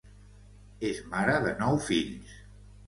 És mare de nou fills.